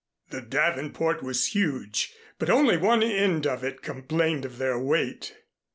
The davenport was huge, but only one end of it complained of their weight.